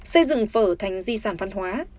xây dựng phở thành di sản văn hóa